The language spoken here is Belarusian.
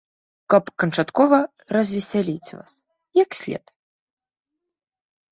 Каб канчаткова развесяліць вас, як след.